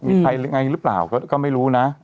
มีใครหรือไงหรือเปล่าก็ไม่รู้นะ